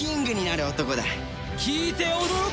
聞いて驚け！